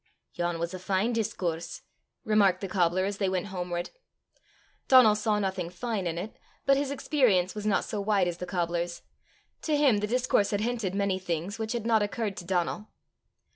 "Yon was a fine discoorse," remarked the cobbler as they went homeward. Donal saw nothing fine in it, but his experience was not so wide as the cobbler's: to him the discourse had hinted many things which had not occurred to Donal.